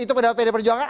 itu pada pd perjuangan